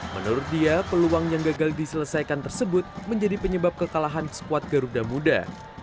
menurut dia peluang yang gagal diselesaikan tersebut menjadi penyebab kekalahan squad garuda muda